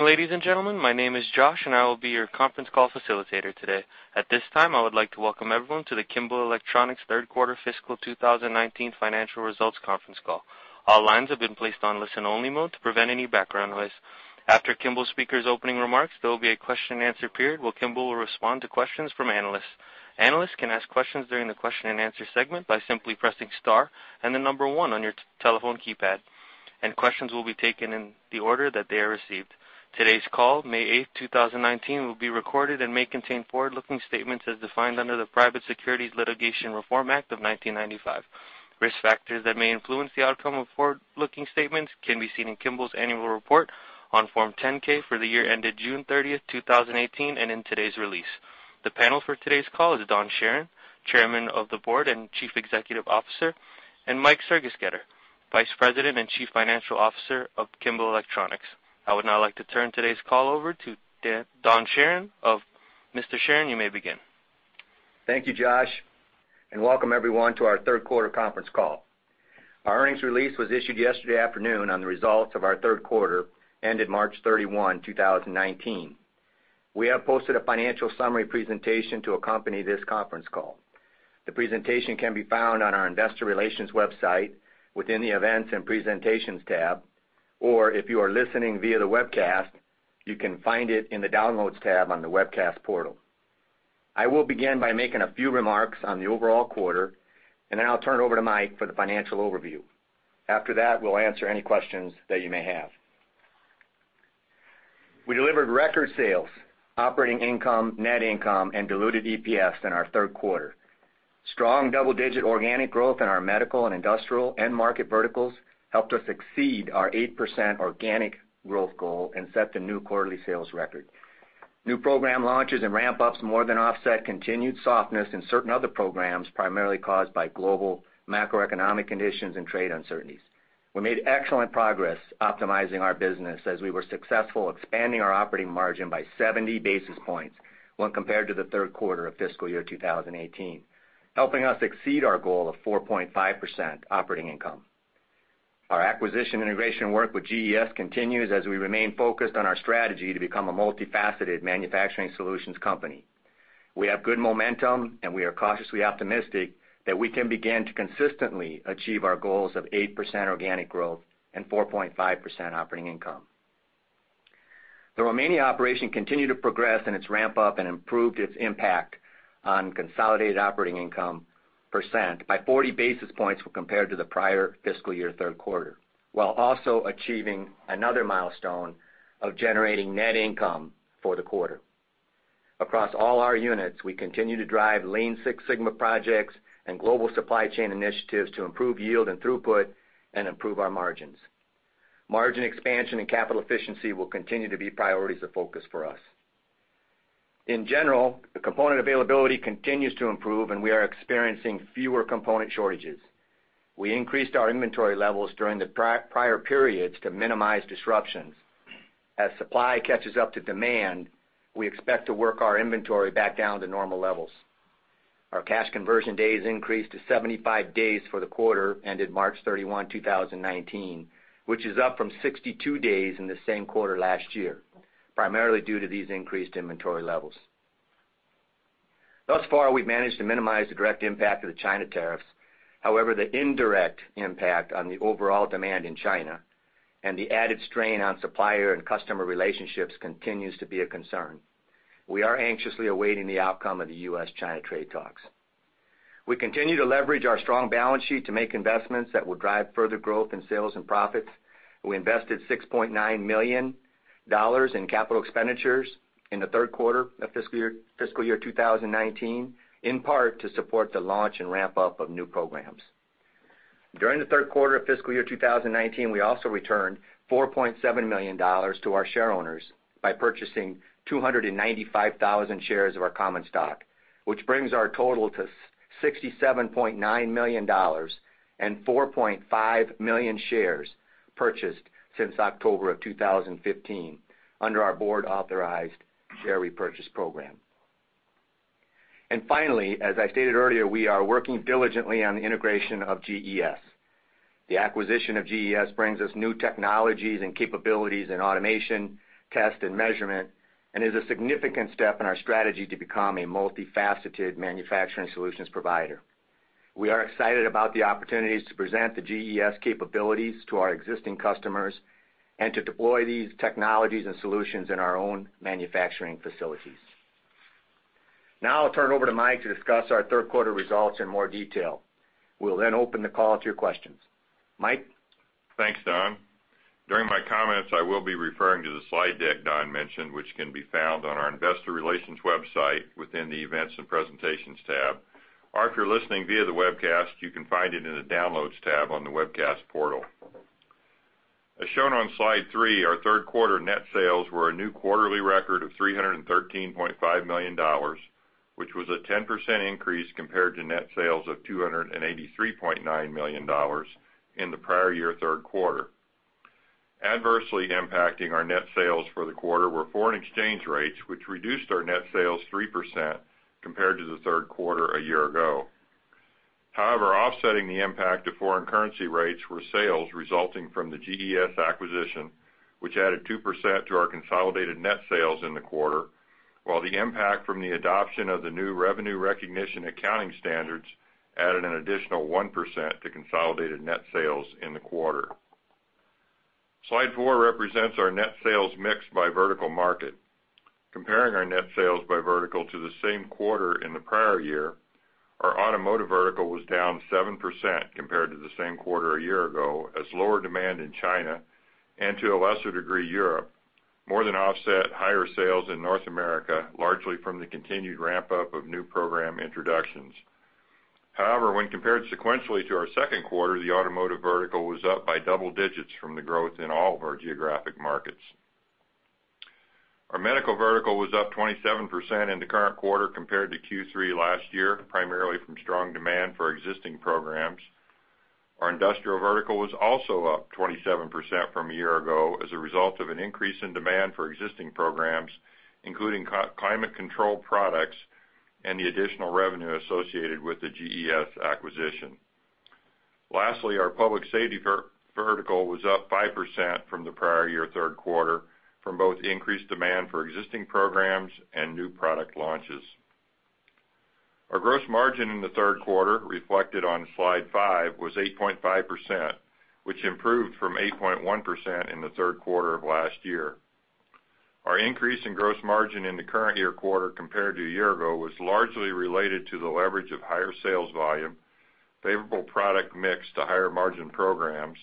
Ladies and gentlemen, my name is Josh, and I will be your conference call facilitator today. At this time, I would like to welcome everyone to the Kimball Electronics third quarter fiscal 2019 financial results conference call. All lines have been placed on listen-only mode to prevent any background noise. After Kimball's speaker's opening remarks, there will be a question and answer period where Kimball will respond to questions from analysts. Analysts can ask questions during the question and answer segment by simply pressing star and the number 1 on your telephone keypad, and questions will be taken in the order that they are received. Today's call, May 8th, 2019, will be recorded and may contain forward-looking statements as defined under the Private Securities Litigation Reform Act of 1995. Risk factors that may influence the outcome of forward-looking statements can be seen in Kimball's annual report on Form 10-K for the year ended June 30th, 2018, and in today's release. The panel for today's call is Don Charron, Chairman of the Board and Chief Executive Officer, and Mike Sergesketter, Vice President and Chief Financial Officer of Kimball Electronics. I would now like to turn today's call over to Don Charron. Mr. Charron, you may begin. Thank you, Josh, and welcome everyone to our third quarter conference call. Our earnings release was issued yesterday afternoon on the results of our third quarter ended March 31, 2019. We have posted a financial summary presentation to accompany this conference call. The presentation can be found on our investor relations website within the Events and Presentations tab, or if you are listening via the webcast, you can find it in the Downloads tab on the webcast portal. I will begin by making a few remarks on the overall quarter, and then I'll turn it over to Mike for the financial overview. After that, we'll answer any questions that you may have. We delivered record sales, operating income, net income, and diluted EPS in our third quarter. Strong double-digit organic growth in our medical and industrial end market verticals helped us exceed our 8% organic growth goal and set the new quarterly sales record. New program launches and ramp-ups more than offset continued softness in certain other programs, primarily caused by global macroeconomic conditions and trade uncertainties. We made excellent progress optimizing our business as we were successful expanding our operating margin by 70 basis points when compared to the third quarter of fiscal year 2018, helping us exceed our goal of 4.5% operating income. Our acquisition integration work with GES continues as we remain focused on our strategy to become a multifaceted manufacturing solutions company. We have good momentum, and we are cautiously optimistic that we can begin to consistently achieve our goals of 8% organic growth and 4.5% operating income. The Romania operation continued to progress in its ramp-up and improved its impact on consolidated operating income percent by 40 basis points when compared to the prior fiscal year third quarter, while also achieving another milestone of generating net income for the quarter. Across all our units, we continue to drive Lean Six Sigma projects and global supply chain initiatives to improve yield and throughput and improve our margins. Margin expansion and capital efficiency will continue to be priorities of focus for us. In general, the component availability continues to improve, and we are experiencing fewer component shortages. We increased our inventory levels during the prior periods to minimize disruptions. As supply catches up to demand, we expect to work our inventory back down to normal levels. Our cash conversion days increased to 75 days for the quarter ended March 31, 2019, which is up from 62 days in the same quarter last year, primarily due to these increased inventory levels. Thus far, we've managed to minimize the direct impact of the China tariffs. However, the indirect impact on the overall demand in China and the added strain on supplier and customer relationships continues to be a concern. We are anxiously awaiting the outcome of the U.S.-China trade talks. We continue to leverage our strong balance sheet to make investments that will drive further growth in sales and profits. We invested $6.9 million in capital expenditures in the third quarter of fiscal year 2019, in part to support the launch and ramp-up of new programs. During the third quarter of fiscal year 2019, we also returned $4.7 million to our shareowners by purchasing 295,000 shares of our common stock, which brings our total to $67.9 million and 4.5 million shares purchased since October of 2015 under our board-authorized share repurchase program. Finally, as I stated earlier, we are working diligently on the integration of GES. The acquisition of GES brings us new technologies and capabilities in automation, test, and measurement, and is a significant step in our strategy to become a multifaceted manufacturing solutions provider. We are excited about the opportunities to present the GES capabilities to our existing customers and to deploy these technologies and solutions in our own manufacturing facilities. Now I'll turn it over to Mike to discuss our third quarter results in more detail. We'll then open the call to your questions. Mike? Thanks, Don. During my comments, I will be referring to the slide deck Don mentioned, which can be found on our investor relations website within the Events and Presentations tab. If you're listening via the webcast, you can find it in the Downloads tab on the webcast portal. As shown on slide three, our third quarter net sales were a new quarterly record of $313.5 million, which was a 10% increase compared to net sales of $283.9 million in the prior year third quarter. Adversely impacting our net sales for the quarter were foreign exchange rates, which reduced our net sales 3% compared to the third quarter a year ago. However, offsetting the impact of foreign currency rates were sales resulting from the GES acquisition, which added 2% to our consolidated net sales in the quarter, while the impact from the adoption of the new revenue recognition accounting standards added an additional 1% to consolidated net sales in the quarter. Slide four represents our net sales mix by vertical market. Comparing our net sales by vertical to the same quarter in the prior year, our automotive vertical was down 7% compared to the same quarter a year ago, as lower demand in China, and to a lesser degree, Europe, more than offset higher sales in North America, largely from the continued ramp-up of new program introductions. When compared sequentially to our second quarter, the automotive vertical was up by double digits from the growth in all of our geographic markets. Our medical vertical was up 27% in the current quarter compared to Q3 last year, primarily from strong demand for existing programs. Our industrial vertical was also up 27% from a year ago as a result of an increase in demand for existing programs, including climate control products and the additional revenue associated with the GES acquisition. Our public safety vertical was up 5% from the prior year third quarter from both increased demand for existing programs and new product launches. Our gross margin in the third quarter, reflected on slide five, was 8.5%, which improved from 8.1% in the third quarter of last year. Our increase in gross margin in the current year quarter compared to a year ago was largely related to the leverage of higher sales volume, favorable product mix to higher-margin programs,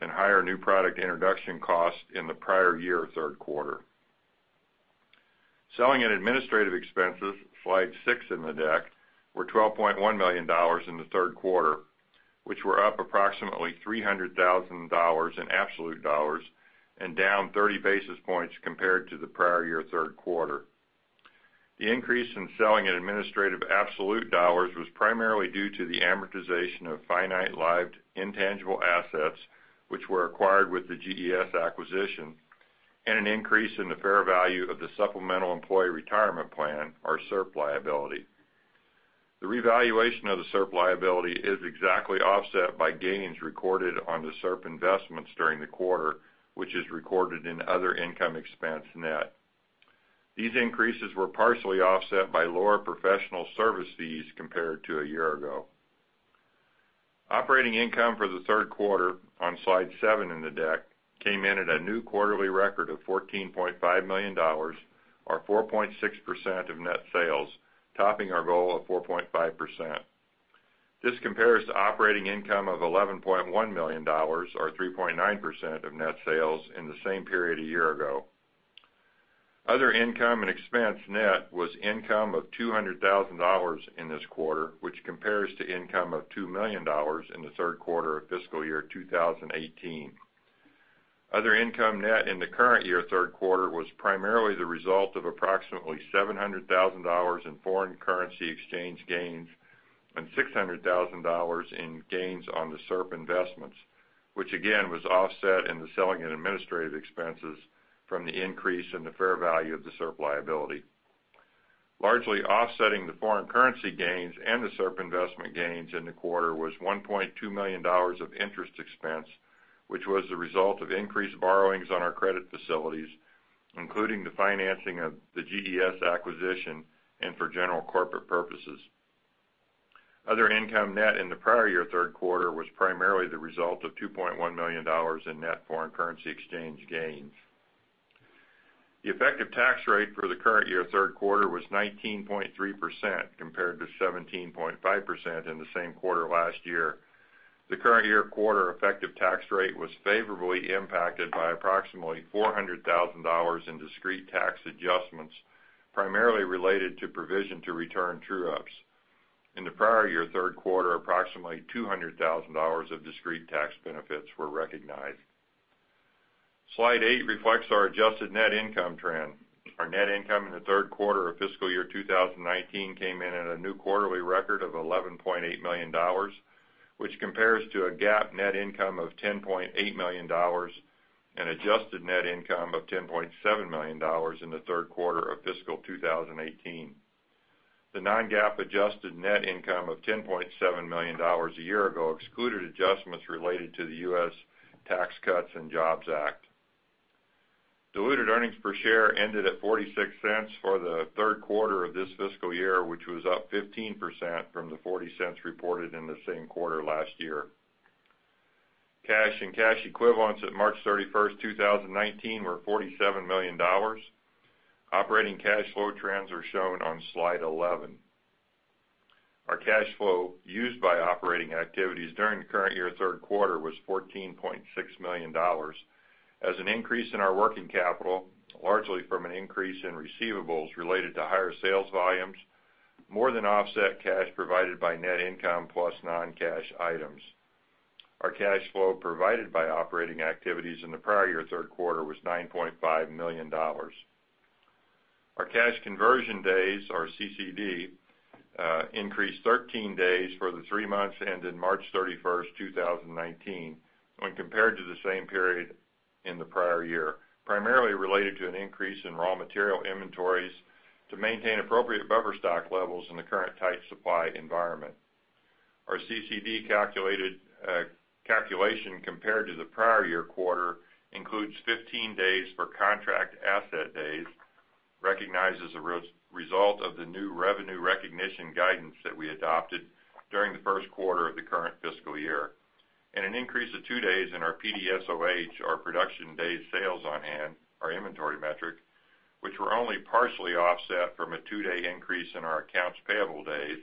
and higher new product introduction costs in the prior year third quarter. Selling and administrative expenses, slide six in the deck, were $12.1 million in the third quarter, which were up approximately $300,000 in absolute dollars and down 30 basis points compared to the prior year third quarter. The increase in selling and administrative absolute dollars was primarily due to the amortization of finite-lived intangible assets, which were acquired with the GES acquisition, and an increase in the fair value of the supplemental employee retirement plan, our SERP liability. The revaluation of the SERP liability is exactly offset by gains recorded on the SERP investments during the quarter, which is recorded in other income expense net. These increases were partially offset by lower professional service fees compared to a year ago. Operating income for the third quarter, on slide seven in the deck, came in at a new quarterly record of $14.5 million, or 4.6% of net sales, topping our goal of 4.5%. This compares to operating income of $11.1 million, or 3.9% of net sales, in the same period a year ago. Other income and expense net was income of $200,000 in this quarter, which compares to income of $2 million in the third quarter of fiscal year 2018. Other income net in the current year third quarter was primarily the result of approximately $700,000 in foreign currency exchange gains and $600,000 in gains on the SERP investments, which again, was offset in the selling and administrative expenses from the increase in the fair value of the SERP liability. Largely offsetting the foreign currency gains and the SERP investment gains in the quarter was $1.2 million of interest expense, which was the result of increased borrowings on our credit facilities, including the financing of the GES acquisition and for general corporate purposes. Other income net in the prior year third quarter was primarily the result of $2.1 million in net foreign currency exchange gains. The effective tax rate for the current year third quarter was 19.3%, compared to 17.5% in the same quarter last year. The current year quarter effective tax rate was favorably impacted by approximately $400,000 in discrete tax adjustments, primarily related to provision to return true-ups. In the prior year third quarter, approximately $200,000 of discrete tax benefits were recognized. Slide eight reflects our adjusted net income trend. Our net income in the third quarter of fiscal year 2019 came in at a new quarterly record of $11.8 million, which compares to a GAAP net income of $10.8 million and adjusted net income of $10.7 million in the third quarter of fiscal 2018. The non-GAAP adjusted net income of $10.7 million a year ago excluded adjustments related to the U.S. Tax Cuts and Jobs Act. Diluted earnings per share ended at $0.46 for the third quarter of this fiscal year, which was up 15% from the $0.40 reported in the same quarter last year. Cash and cash equivalents at March 31st, 2019, were $47 million. Operating cash flow trends are shown on slide 11. Our cash flow used by operating activities during the current year third quarter was $14.6 million, as an increase in our working capital, largely from an increase in receivables related to higher sales volumes, more than offset cash provided by net income plus non-cash items. Our cash flow provided by operating activities in the prior year third quarter was $9.5 million. Our cash conversion days, or CCD, increased 13 days for the three months ended March 31st, 2019, when compared to the same period in the prior year, primarily related to an increase in raw material inventories to maintain appropriate buffer stock levels in the current tight supply environment. Our CCD calculation compared to the prior year quarter includes 15 days for contract asset days, recognized as a result of the new revenue recognition guidance that we adopted during the first quarter of the current fiscal year, and an increase of two days in our PDSOH, our production days sales on hand, our inventory metric, which were only partially offset from a two-day increase in our accounts payable days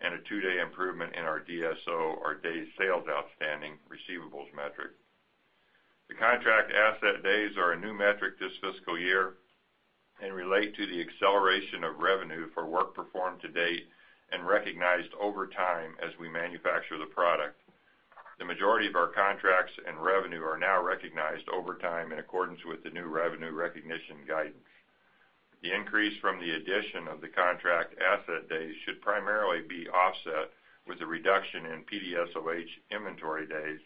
and a two-day improvement in our DSO, or days sales outstanding receivables metric. The contract asset days are a new metric this fiscal year and relate to the acceleration of revenue for work performed to date and recognized over time as we manufacture the product. The majority of our contracts and revenue are now recognized over time in accordance with the new revenue recognition guidance. The increase from the addition of the contract asset days should primarily be offset with a reduction in PDSOH inventory days,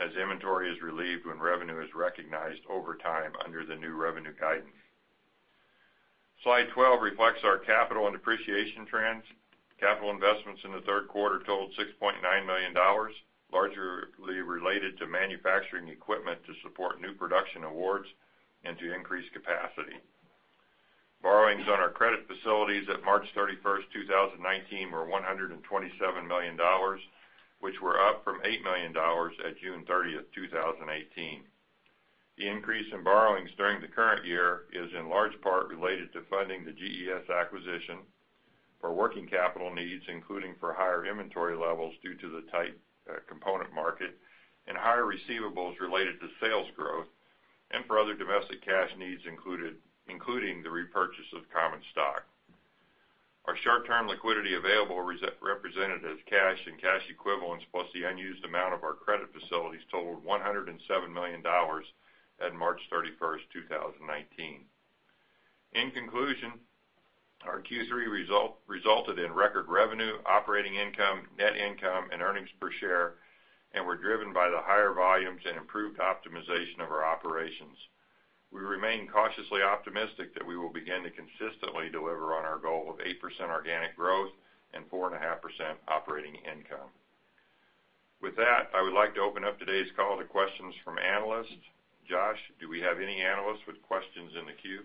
as inventory is relieved when revenue is recognized over time under the new revenue guidance. Slide 12 reflects our capital and depreciation trends. Capital investments in the third quarter totaled $6.9 million, largely related to manufacturing equipment to support new production awards and to increase capacity. Borrowings on our credit facilities at March 31st, 2019, were $127 million, which were up from $8 million at June 30th, 2018. The increase in borrowings during the current year is in large part related to funding the GES acquisition for working capital needs, including for higher inventory levels due to the tight component market and higher receivables related to sales growth, and for other domestic cash needs, including the repurchase of common stock. Our short-term liquidity available represented as cash and cash equivalents, plus the unused amount of our credit facilities totaled $107 million at March 31st, 2019. In conclusion, our Q3 resulted in record revenue, operating income, net income, and earnings per share, and were driven by the higher volumes and improved optimization of our operations. We remain cautiously optimistic that we will begin to consistently deliver on our goal of 8% organic growth and 4.5% operating income. With that, I would like to open up today's call to questions from analysts. Josh, do we have any analysts with questions in the queue?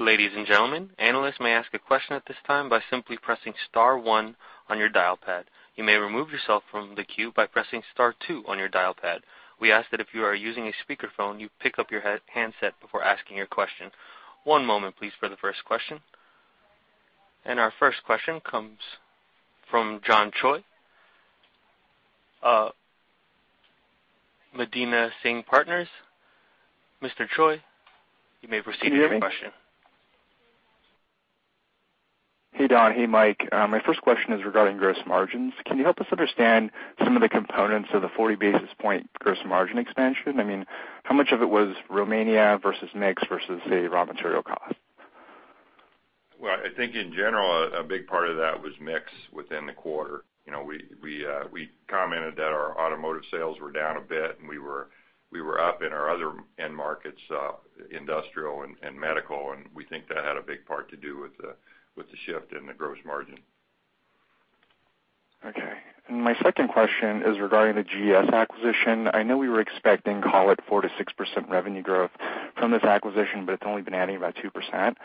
Ladies and gentlemen, analysts may ask a question at this time by simply pressing star one on your dial pad. You may remove yourself from the queue by pressing star two on your dial pad. We ask that if you are using a speakerphone, you pick up your handset before asking your question. One moment, please, for the first question. Our first question comes from John Choi of Medina Value Partners. Mr. Choi, you may proceed with your question. Hey, Don. Hey, Mike. My first question is regarding gross margins. Can you help us understand some of the components of the 40 basis point gross margin expansion? I mean, how much of it was Romania versus mix versus the raw material cost? Well, I think in general, a big part of that was mix within the quarter. We commented that our automotive sales were down a bit, and we were up in our other end markets, industrial and medical, and we think that had a big part to do with the shift in the gross margin. Okay. My second question is regarding the GES acquisition. I know we were expecting, call it 4%-6% revenue growth from this acquisition, but it's only been adding about 2%.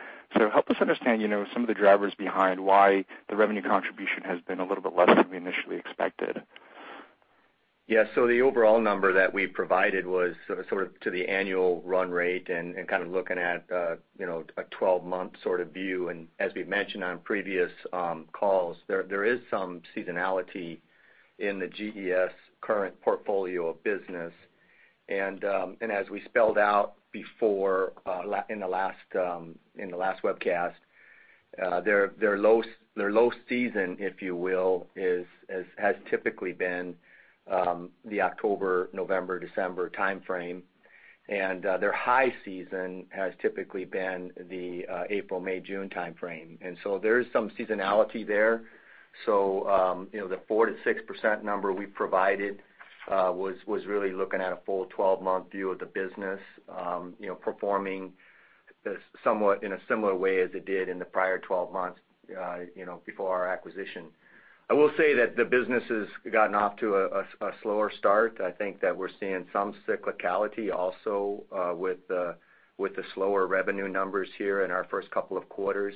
Help us understand some of the drivers behind why the revenue contribution has been a little bit less than we initially expected. Yeah. The overall number that we provided was sort of to the annual run rate and kind of looking at a 12-month sort of view. As we've mentioned on previous calls, there is some seasonality in the GES current portfolio of business. As we spelled out before in the last webcast, their low season, if you will, has typically been the October, November, December timeframe. Their high season has typically been the April, May, June timeframe. There is some seasonality there. The 4%-6% number we provided was really looking at a full 12-month view of the business performing in a similar way as it did in the prior 12 months, before our acquisition. I will say that the business has gotten off to a slower start. I think that we're seeing some cyclicality also with the slower revenue numbers here in our first couple of quarters.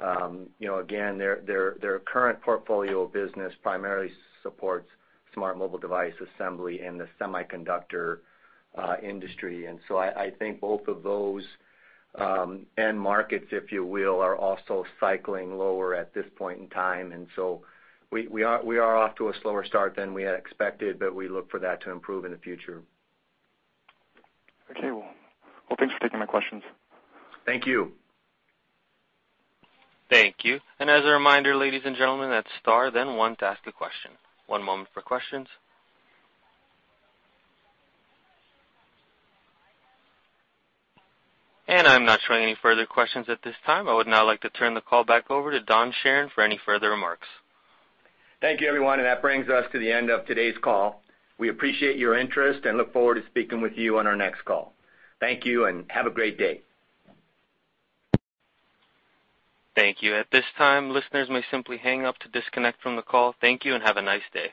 Again, their current portfolio of business primarily supports smart mobile device assembly in the semiconductor industry. I think both of those end markets, if you will, are also cycling lower at this point in time. We are off to a slower start than we had expected, but we look for that to improve in the future. Okay. Well, thanks for taking my questions. Thank you. Thank you. As a reminder, ladies and gentlemen, that's star then one to ask a question. One moment for questions. I'm not showing any further questions at this time. I would now like to turn the call back over to Don Charron for any further remarks. Thank you, everyone. That brings us to the end of today's call. We appreciate your interest and look forward to speaking with you on our next call. Thank you. Have a great day. Thank you. At this time, listeners may simply hang up to disconnect from the call. Thank you, and have a nice day.